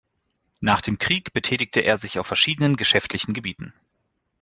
Nach dem Krieg betätigte er sich auf verschiedenen geschäftlichen Gebieten.